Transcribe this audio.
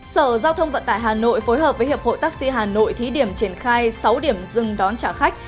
sở giao thông vận tải hà nội phối hợp với hiệp hội taxi hà nội thí điểm triển khai sáu điểm dừng đón trả khách